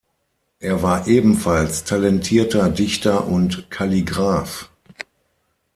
Er war ebenfalls talentierter Dichter und Kalligraph.